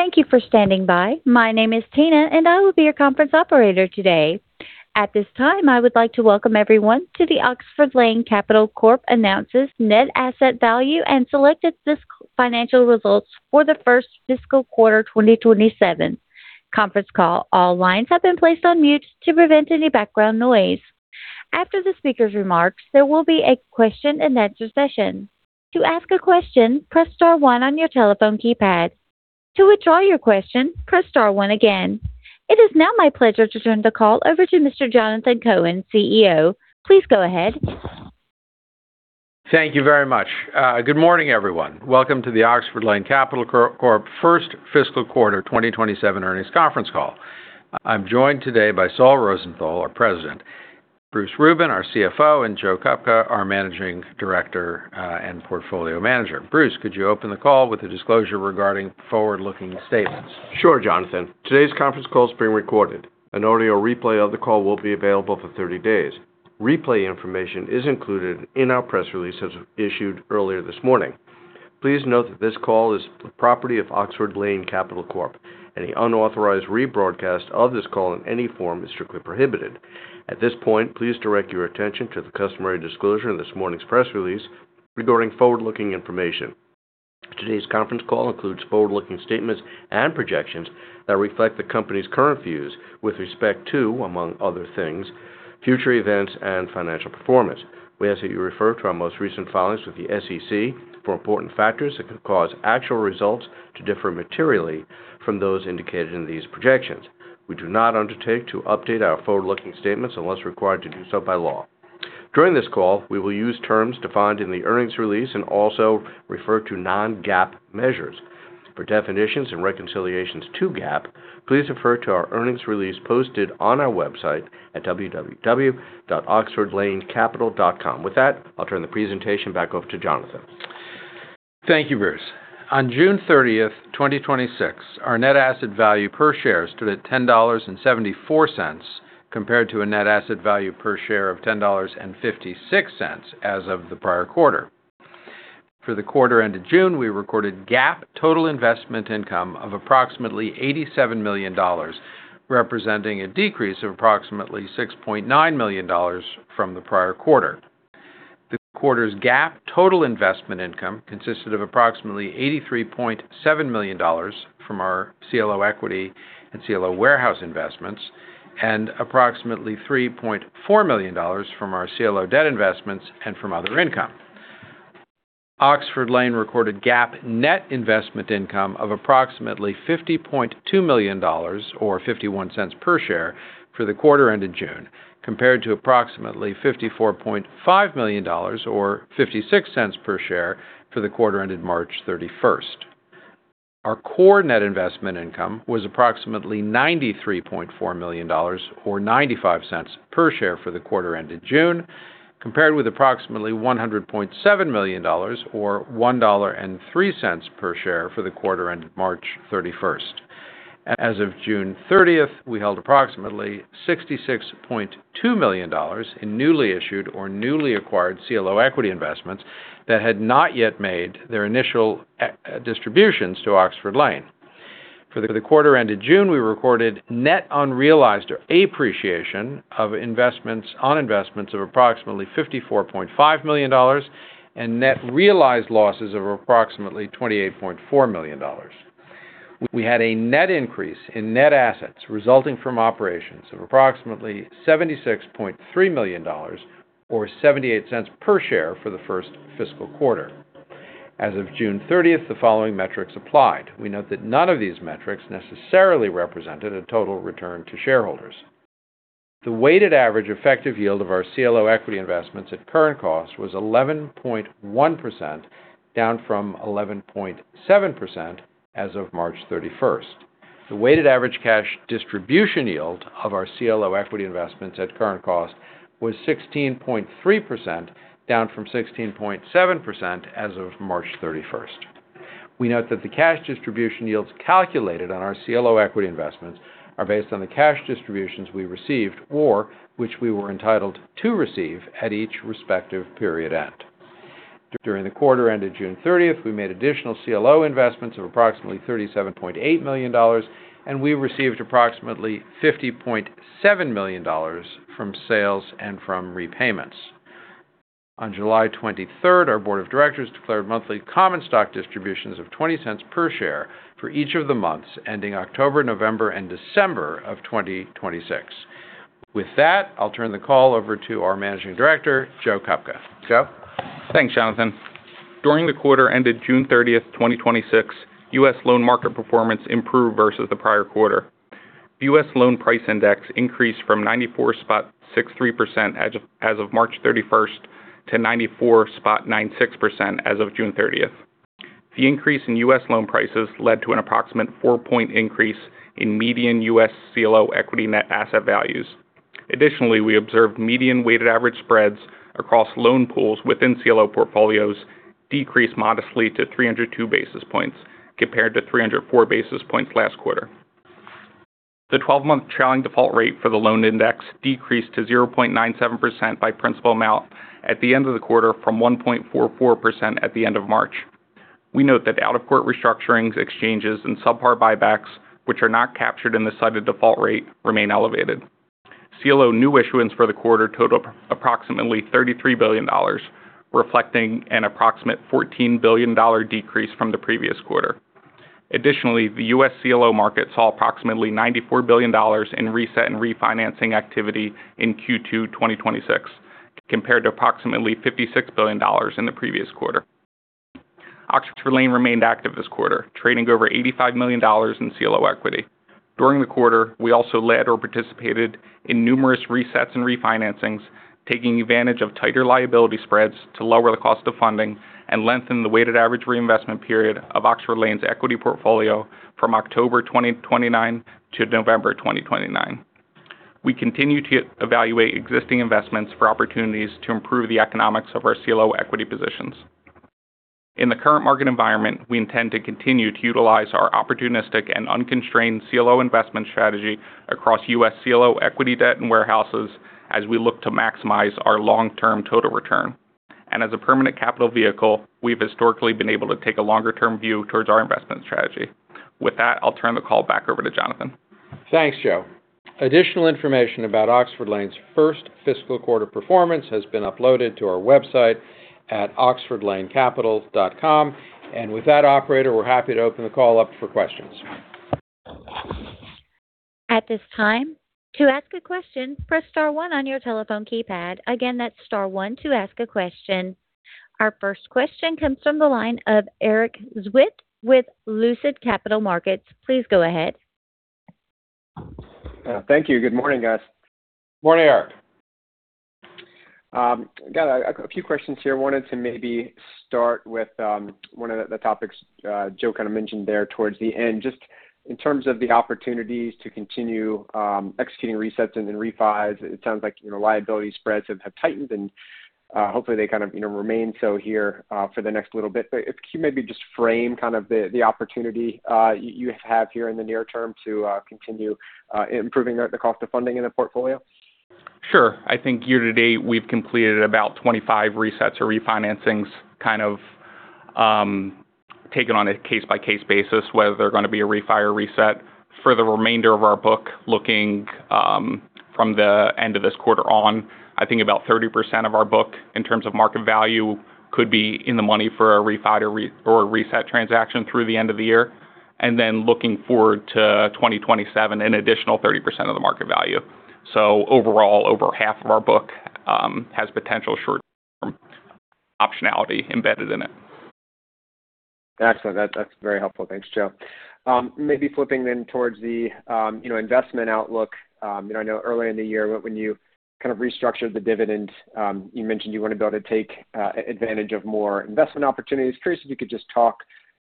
Thank you for standing by. My name is Tina, and I will be your conference operator today. At this time, I would like to welcome everyone to the Oxford Lane Capital Corp Announces Net Asset Value and Selected Fiscal Financial Results for the First Fiscal Quarter 2027 conference call. All lines have been placed on mute to prevent any background noise. After the speaker's remarks, there will be a question-and-answer session. To ask a question, press star one on your telephone keypad. To withdraw your question, press star one again. It is now my pleasure to turn the call over to Mr. Jonathan Cohen, CEO. Please go ahead. Thank you very much. Good morning, everyone. Welcome to the Oxford Lane Capital Corp first fiscal quarter 2027 earnings conference call. I'm joined today by Saul Rosenthal, our President, Bruce Rubin, our CFO, and Joe Kupka, our Managing Director and Portfolio Manager. Bruce, could you open the call with a disclosure regarding forward-looking statements? Sure, Jonathan. Today's conference call is being recorded. An audio replay of the call will be available for 30 days. Replay information is included in our press release as issued earlier this morning. Please note that this call is the property of Oxford Lane Capital Corp. Any unauthorized rebroadcast of this call in any form is strictly prohibited. At this point, please direct your attention to the customary disclosure in this morning's press release regarding forward-looking information. Today's conference call includes forward-looking statements and projections that reflect the company's current views with respect to, among other things, future events and financial performance. We ask that you refer to our most recent filings with the SEC for important factors that could cause actual results to differ materially from those indicated in these projections. We do not undertake to update our forward-looking statements unless required to do so by law. During this call, we will use terms defined in the earnings release and also refer to non-GAAP measures. For definitions and reconciliations to GAAP, please refer to our earnings release posted on our website at www.oxfordlanecapital.com. With that, I'll turn the presentation back over to Jonathan. Thank you, Bruce. On June 30th, 2026, our net asset value per share stood at $10.74, compared to a net asset value per share of $10.56 as of the prior quarter. For the quarter ended June, we recorded GAAP total investment income of approximately $87 million, representing a decrease of approximately $6.9 million from the prior quarter. The quarter's GAAP total investment income consisted of approximately $83.7 million from our CLO equity and CLO warehouse investments and approximately $3.4 million from our CLO debt investments and from other income. Oxford Lane recorded GAAP net investment income of approximately $50.2 million, or $0.51 per share for the quarter ended June, compared to approximately $54.5 million or $0.56 per share for the quarter ended March 31st. Our core net investment income was approximately $93.4 million or $0.95 per share for the quarter ended June, compared with approximately $100.7 million or $1.03 per share for the quarter ended March 31st. As of June 30th, we held approximately $66.2 million in newly issued or newly acquired CLO equity investments that had not yet made their initial distributions to Oxford Lane. For the quarter ended June, we recorded net unrealized appreciation of investments on investments of approximately $54.5 million and net realized losses of approximately $28.4 million. We had a net increase in net assets resulting from operations of approximately $76.3 million or $0.78 per share for the first fiscal quarter. As of June 30th, the following metrics applied. We note that none of these metrics necessarily represented a total return to shareholders. The weighted average effective yield of our CLO equity investments at current cost was 11.1%, down from 11.7% as of March 31st. The weighted average cash distribution yield of our CLO equity investments at current cost was 16.3%, down from 16.7% as of March 31st. We note that the cash distribution yields calculated on our CLO equity investments are based on the cash distributions we received or which we were entitled to receive at each respective period end. During the quarter ended June 30th, we made additional CLO investments of approximately $37.8 million, and we received approximately $50.7 million from sales and from repayments. On July 23rd, our Board of Directors declared monthly common stock distributions of $0.20 per share for each of the months ending October, November, and December of 2026. With that, I'll turn the call over to our Managing Director, Joe Kupka. Joe. Thanks, Jonathan. During the quarter ended June 30th, 2026, U.S. loan market performance improved versus the prior quarter. The U.S. loan price index increased from 94.63% as of March 31st to 94.96% as of June 30th. The increase in U.S. loan prices led to an approximate 4 point increase in median U.S. CLO equity net asset values. Additionally, we observed median weighted average spreads across loan pools within CLO portfolios decrease modestly to 302 basis points compared to 304 basis points last quarter. The 12-month trailing default rate for the loan index decreased to 0.97% by principal amount at the end of the quarter from 1.44% at the end of March. We note that out-of-court restructurings, exchanges, and subpar buybacks, which are not captured in the cited default rate, remain elevated. CLO new issuance for the quarter totaled approximately $33 billion, reflecting an approximate $14 billion decrease from the previous quarter. Additionally, the U.S. CLO market saw approximately $94 billion in reset and refinancing activity in Q2 2026, compared to approximately $56 billion in the previous quarter. Oxford Lane remained active this quarter, trading over $85 million in CLO equity. During the quarter, we also led or participated in numerous resets and refinancings, taking advantage of tighter liability spreads to lower the cost of funding and lengthen the weighted average reinvestment period of Oxford Lane's equity portfolio from October 2029 to November 2029. We continue to evaluate existing investments for opportunities to improve the economics of our CLO equity positions. In the current market environment, we intend to continue to utilize our opportunistic and unconstrained CLO investment strategy across U.S. CLO equity debt and warehouses as we look to maximize our long-term total return. As a permanent capital vehicle, we've historically been able to take a longer-term view towards our investment strategy. With that, I'll turn the call back over to Jonathan. Thanks, Joe. Additional information about Oxford Lane's first fiscal quarter performance has been uploaded to our website at oxfordlanecapital.com. With that, operator, we're happy to open the call up for questions. At this time, to ask a question, press star one on your telephone keypad. Again, that's star one to ask a question. Our first question comes from the line of Erik Zwick with Lucid Capital Markets. Please go ahead. Thank you. Good morning, guys. Morning, Erik. Got a few questions here. Wanted to maybe start with one of the topics Joe kind of mentioned there towards the end. Just in terms of the opportunities to continue executing resets and then refis. It sounds like liability spreads have tightened and hopefully they remain so here for the next little bit. Can you maybe just frame the opportunity you have here in the near term to continue improving the cost of funding in the portfolio? Sure. I think year-to-date, we've completed about 25 resets or refinancings, kind of taken on a case-by-case basis, whether they're going to be a refi or reset. For the remainder of our book, looking from the end of this quarter on, I think about 30% of our book in terms of market value could be in the money for a refi or a reset transaction through the end of the year. Looking forward to 2027, an additional 30% of the market value. Overall, over half of our book has potential short-term optionality embedded in it. Excellent. That's very helpful. Thanks, Joe. Maybe flipping towards the investment outlook. I know earlier in the year when you kind of restructured the dividend, you mentioned you want to be able to take advantage of more investment opportunities. Curious if you could just talk,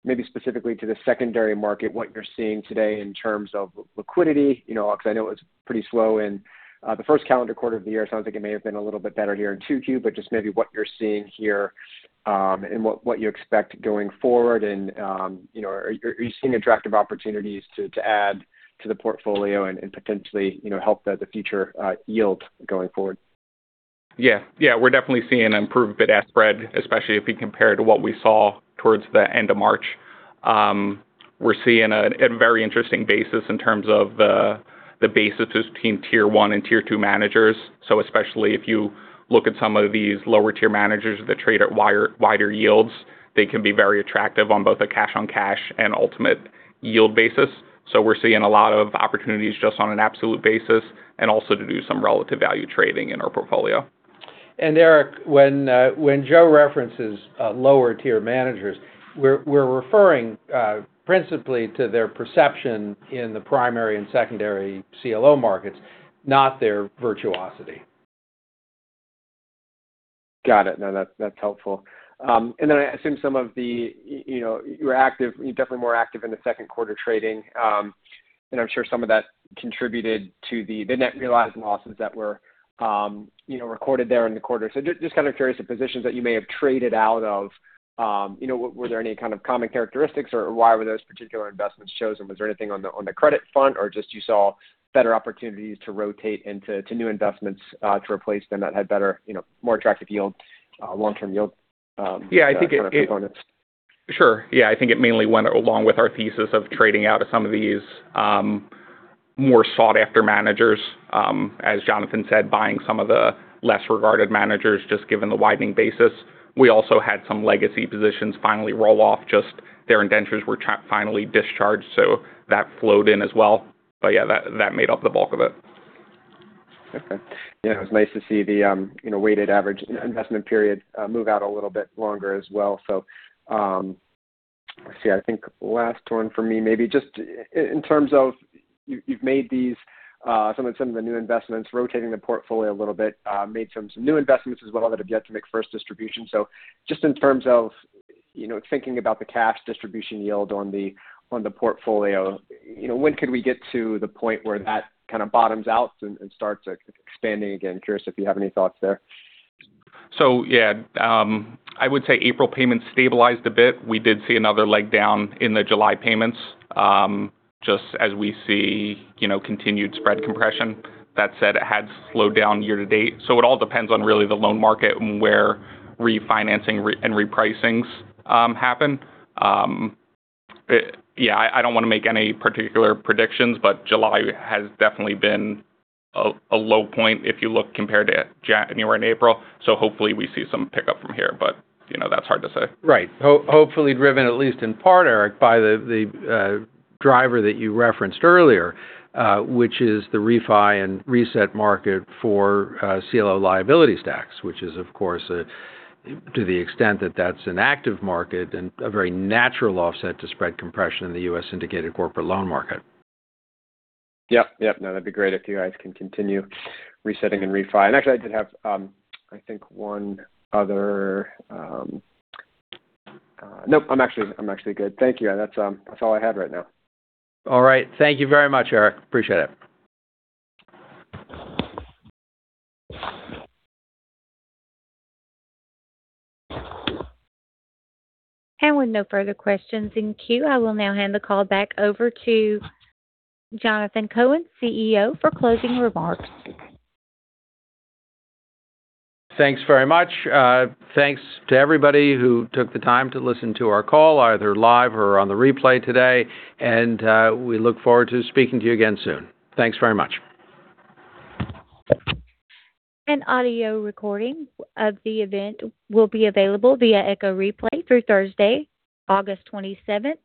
maybe specifically, to the secondary market, what you're seeing today in terms of liquidity, because I know it was pretty slow in the first calendar quarter of the year. Sounds like it may have been a little bit better here in 2Q. What are you seeing here, and what you expect going forward, and are you seeing attractive opportunities to add to the portfolio and potentially help the future yield going forward? We're definitely seeing improved bid-ask spread, especially if we compare to what we saw towards the end of March. We're seeing a very interesting basis in terms of the basis between tier one and tier two managers. Especially if you look at some of these lower tier managers that trade at wider yields, they can be very attractive on both a cash on cash and ultimate yield basis. We're seeing a lot of opportunities just on an absolute basis and also to do some relative value trading in our portfolio. Erik, when Joe references lower tier managers, we are referring principally to their perception in the primary and secondary CLO markets, not their virtuosity. Got it. That's helpful. I assume you're definitely more active in the second quarter trading. I'm sure some of that contributed to the net realized losses that were recorded there in the quarter. Just kind of curious the positions that you may have traded out of. Were there any kind of common characteristics, or why were those particular investments chosen? Was there anything on the credit front or just you saw better opportunities to rotate into new investments to replace them that had better, more attractive long-term yield kind of components? Sure. Yeah, I think it mainly went along with our thesis of trading out of some of these more sought-after managers. As Jonathan said, buying some of the less regarded managers just given the widening basis. We also had some legacy positions finally roll off, just their indentures were finally discharged, so that flowed in as well. Yeah, that made up the bulk of it. Okay. Yeah, it was nice to see the weighted average investment period move out a little bit longer as well. Let's see. I think last one for me, maybe just in terms of you've made some of the new investments, rotating the portfolio a little bit, made some new investments as well that have yet to make first distribution. Just in terms of thinking about the cash distribution yield on the portfolio, when could we get to the point where that kind of bottoms out and starts expanding again? Curious if you have any thoughts there. Yeah, I would say April payments stabilized a bit. We did see another leg down in the July payments, just as we see continued spread compression. That said, it has slowed down year-to-date. It all depends on really the loan market and where refinancing and repricings happen. I don't want to make any particular predictions, but July has definitely been a low point if you look compared to January and April. Hopefully we see some pickup from here. That's hard to say. Right. Hopefully driven, at least in part, Erik, by the driver that you referenced earlier, which is the refi and reset market for CLO liability stacks, which is, of course, to the extent that that's an active market and a very natural offset to spread compression in the U.S. syndicated corporate loan market. Yep. No, that'd be great if you guys can continue resetting and refi. Actually, I did have, I think one other. Nope, I'm actually good. Thank you. That's all I had right now. All right. Thank you very much, Erik. Appreciate it. With no further questions in queue, I will now hand the call back over to Jonathan Cohen, CEO, for closing remarks. Thanks very much. Thanks to everybody who took the time to listen to our call, either live or on the replay today. We look forward to speaking to you again soon. Thanks very much. An audio recording of the event will be available via Echo Replay through Thursday, August 27th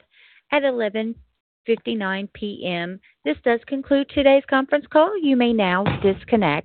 at 11:59 P.M. This does conclude today's conference call. You may now disconnect.